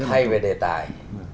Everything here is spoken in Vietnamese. rất hay về đề tài